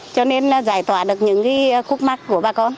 cho nên là giải tỏa được những khúc mắt của bà con